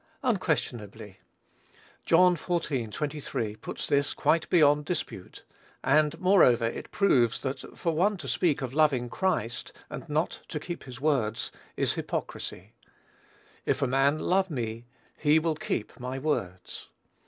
Unquestionably. John xiv. 23, puts this quite beyond dispute; and, moreover, it proves that for one to speak of loving Christ and not to "keep his words," is hypocrisy. "If a man love me, he will keep my words."